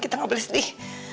kita enggak boleh sedih